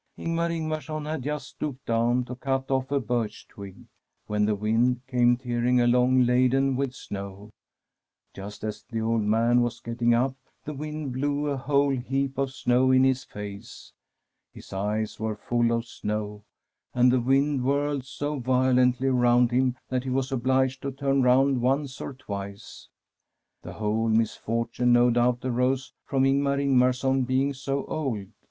Ing^ar Ing^arson had just stooped down and cut oflF a birch twig, when the wind came tearing along laden with snow. Just as the old man was p^etting up the wind blew a whole heap of snow in his face. His eyes were full of snow, and the wind whirled so violently around him that he was obliged to turn round once or twjce, I 296 J Tbe PEACE of GOD The whole misfortune, no doubt, arose from Ingmar Ingmarson being so old.